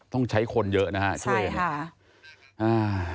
ต้องใช้คนเยอะนะคะช่วยกันเลยอ้าวใช่ค่ะ